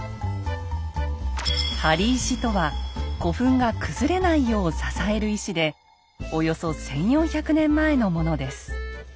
「貼り石」とは古墳が崩れないよう支える石でおよそ１，４００年前のものです。